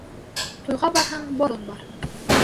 Туйға барһаң, борон бар: